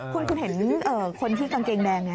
คุณเห็นคนที่กางเกงแดงเนี่ย